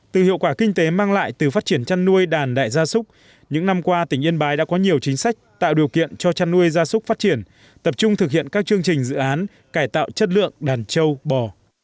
từ hiệu quả kinh tế mang lại từ phát triển chăn nuôi đàn đại gia súc những năm qua tỉnh yên bái đã có nhiều chính sách tạo điều kiện cho chăn nuôi gia súc phát triển tập trung thực hiện các chương trình dự án cải tạo chất lượng đàn châu bò